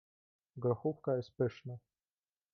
grochówka jest pyszna